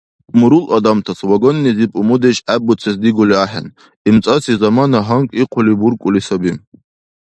Мурул адамтас вагоннизиб умудеш гӀеббуцес дигули ахӀен, имцӀаси замана гьанкӀ ихъули буркӀули саби.